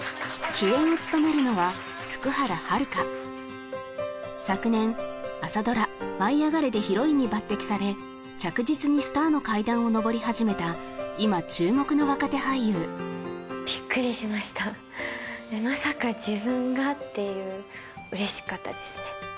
主演を務めるのは昨年朝ドラ「舞いあがれ！」でヒロインに抜擢され着実にスターの階段を上り始めた今注目の若手俳優ビックリしました「えっまさか自分が」っていう嬉しかったですね・